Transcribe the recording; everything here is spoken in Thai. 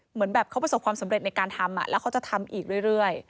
เหมือนแบบเขาประสบความสำเร็จในการทำแล้วเขาจะทำอีกเรื่อย